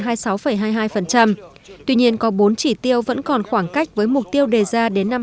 tuy nhiên có bốn chỉ tiêu vẫn còn khoảng cách với mục tiêu đề ra đến năm hai nghìn hai mươi